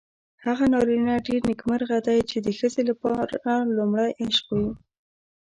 هغه نارینه ډېر نېکمرغه دی چې د ښځې لپاره لومړی عشق وي.